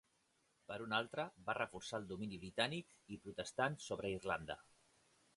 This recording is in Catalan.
Per un altre, va reforçar el domini britànic i protestant sobre Irlanda.